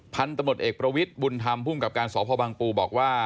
พันธุ์ตำรวจเอกประวิทย์บุญธรรมภูมิกับการสพบังปูบอกว่า